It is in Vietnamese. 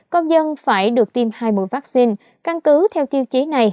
công dân phải được tiêm hai mũi vaccine căn cứ theo tiêu chí này